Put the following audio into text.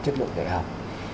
chức lượng đại học